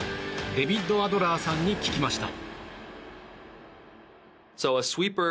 デビッド・アドラーさんに聞きました。